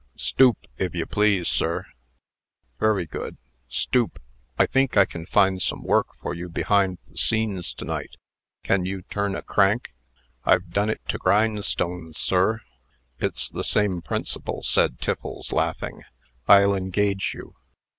"Stoop, if you please, sir." "Very good. Stoop, I think I can find some work for you behind the scenes to night. Can you turn a crank?" "I've done it to grindstones, sir." "It's the same principle," said Tiffles, laughing. "I'll engage you."